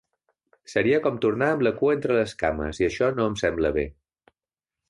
Seria com tornar amb la cua entre les cames i això no em sembla bé.